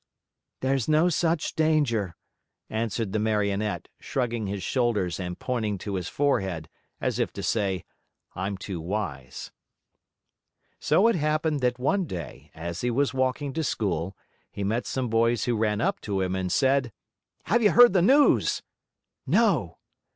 "There's no such danger," answered the Marionette, shrugging his shoulders and pointing to his forehead as if to say, "I'm too wise." So it happened that one day, as he was walking to school, he met some boys who ran up to him and said: "Have you heard the news?" "No!"